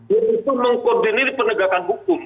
dia itu mengkoordinir penegakan hukum